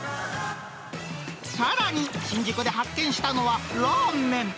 さらに、新宿で発見したのは、ラーメン。